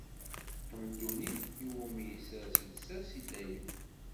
Am ddunit iwumi i isers lsas i dayem.